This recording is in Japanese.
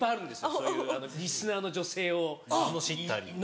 そういうリスナーの女性をののしったり。